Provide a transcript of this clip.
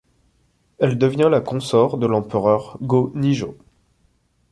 Elle devient la consort de l'empereur Go-Nijō.